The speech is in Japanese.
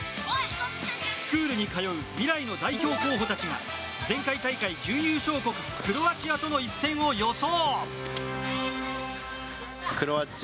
スクールに通う未来の代表候補たちが前回大会準優勝国クロアチアとの一戦を予想。